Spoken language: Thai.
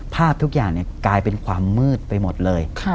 ภาพทุกอย่างกลายเป็นความมืดไปหมดเลย